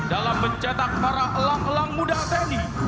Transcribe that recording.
dalam mencetak para elang elang muda tni